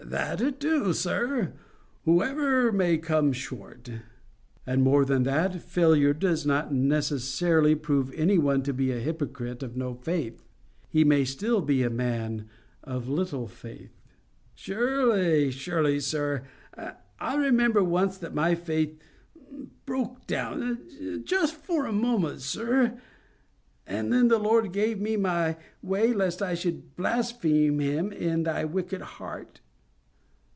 "That it do, sir, whoever may come short." "And more than that: failure does not necessarily prove any one to be a hypocrite of no faith. He may be still a man of little faith." "Surely, surely, sir. I remember once that my faith broke down—just for one moment, sir. And then the Lord gave me my way lest I should blaspheme Him in thy wicked heart."